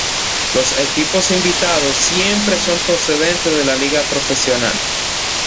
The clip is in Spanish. Los equipos invitados siempre son procedentes de la liga profesional.